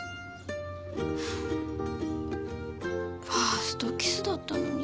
ファーストキスだったのに。